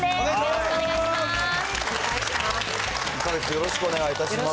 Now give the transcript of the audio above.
よろしくお願いします。